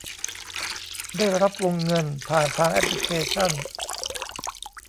ได้รับวงเงินผ่านทางแอปพลิเคชัน